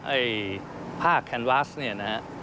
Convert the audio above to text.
ไอ้ผ้าแคนวาสเนี่ยนะฮะ